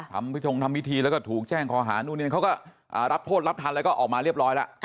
พิทงทำพิธีแล้วก็ถูกแจ้งคอหานู่นนี่เขาก็รับโทษรับทันแล้วก็ออกมาเรียบร้อยแล้ว